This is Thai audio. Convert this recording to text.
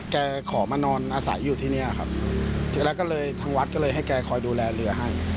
แกขอมานอนอาศัยอยู่ที่เนี่ยครับแล้วก็เลยทางวัดก็เลยให้แกคอยดูแลเรือให้